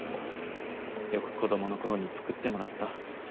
よく子どもの頃に作ってもらった。